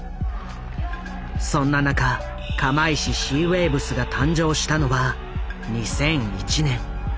そんな中釜石シーウェイブスが誕生したのは２００１年。